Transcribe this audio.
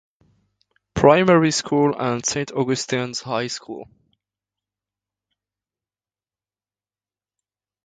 Primary School and Saint Augustine's High School.